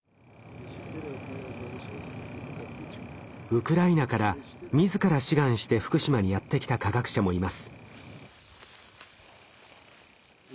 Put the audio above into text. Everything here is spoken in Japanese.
ウクライナから自ら志願して福島にやって来た科学者もいます。